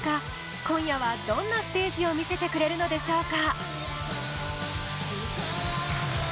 今夜はどんなステージを見せてくれるのでしょうか。